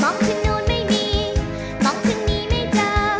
มองขึ้นนู่นไม่มีมองขึ้นนี่ไม่เจอ